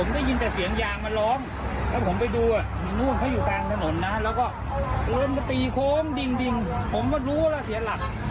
เริ่มจะตีโค้งดิ่งผมก็รู้แล้วเสียหลัก